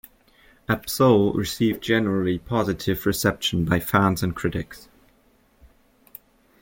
Absol received generally positive reception by fans and critics.